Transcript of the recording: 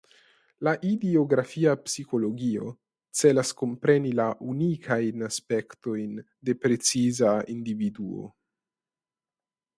La idiografia psikologio celas kompreni la unikajn aspektojn de preciza individuo.